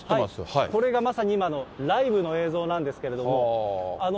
これがまさに今のライブの映像なんですけれども。